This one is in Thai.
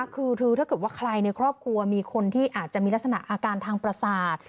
คือถ้าเกิดว่าใครในครอบครัวมีคนที่อาจจะมีลักษณะอาการทางประสาท